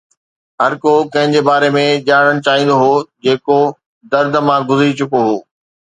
هر ڪو ڪنهن جي باري ۾ ڄاڻڻ چاهيندو هو جيڪو درد مان گذري چڪو هو